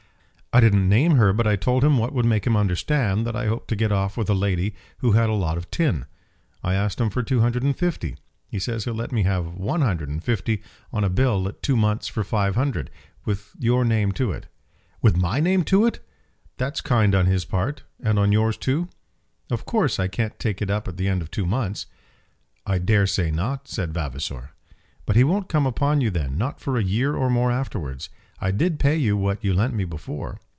"I didn't name her, but I told him what would make him understand that I hoped to get off with a lady who had a lot of tin. I asked him for two hundred and fifty. He says he'll let me have one hundred and fifty on a bill at two months for five hundred, with your name to it." "With my name to it! That's kind on his part, and on yours too." "Of course I can't take it up at the end of two months." "I dare say not," said Vavasor. "But he won't come upon you then, nor for a year or more afterwards. I did pay you what you lent me before."